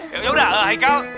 ya udah haikal